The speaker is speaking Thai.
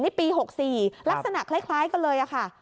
นี่ปี๖๔ลักษณะคล้ายกันเลยค่ะ